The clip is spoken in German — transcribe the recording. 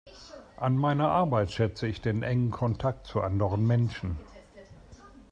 An meiner Arbeit schätze ich den engen Kontakt zu anderen Menschen.